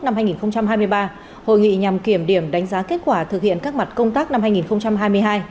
năm hai nghìn hai mươi ba hội nghị nhằm kiểm điểm đánh giá kết quả thực hiện các mặt công tác năm hai nghìn hai mươi hai